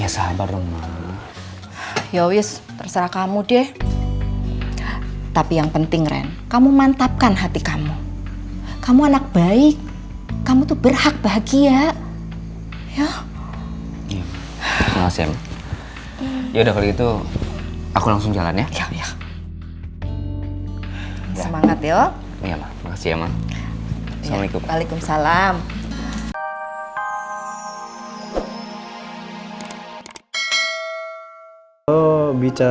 sampai jumpa di video selanjutnya